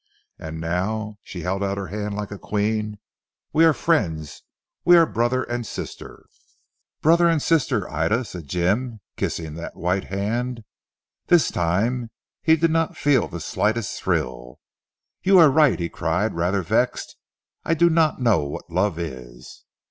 And now," she held out her hand like a queen, "we are friends; we are brother and sister." "Brother, and sister Ida," said Jim kissing that white hand. This time he did not feel the slightest thrill. "You are right," he cried rather vexed. "I do not know what love is."